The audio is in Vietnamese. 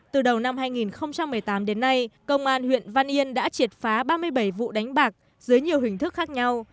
từ đầu năm hai nghìn một mươi tám đến nay công an huyện văn yên đã triệt phá ba mươi bảy vụ đánh bạc dưới nhiều hình thức khác nhau